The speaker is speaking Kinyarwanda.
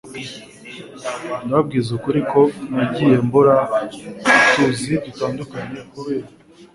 ndababwiza ukuri ko nagiye mbura utuzi dutandukanye kubera